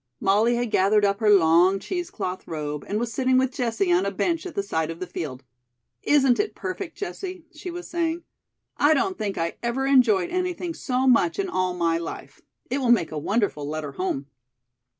Molly had gathered up her long cheesecloth robe and was sitting with Jessie on a bench at the side of the field. "Isn't it perfect, Jessie?" she was saying. "I don't think I ever enjoyed anything so much in all my life. It will make a wonderful letter home."